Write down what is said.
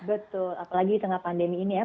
betul apalagi di tengah pandemi ini ya